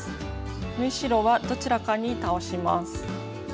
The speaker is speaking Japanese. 縫い代はどちらかに倒します。